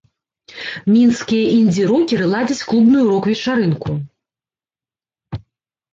Мінскія індзі-рокеры ладзяць клубную рок-вечарынку.